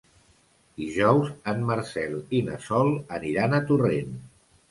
Dijous en Marcel i na Sol aniran a Torrent.